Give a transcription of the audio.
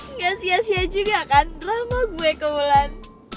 nggak sia sia juga kan drama gue ke wulan